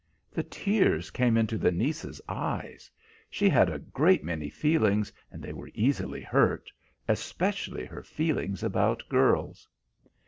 The tears came into the niece's eyes; she had a great many feelings, and they were easily hurt, especially her feelings about girls.